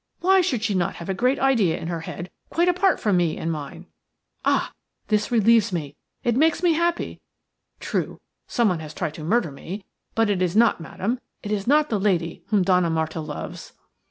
Why should she not have a great idea in her head quite apart from me and mine? Ah, this relieves me – it makes me happy. True, someone has tried to murder me, but it is not Madame – it is not the lady whom Donna Marta loves."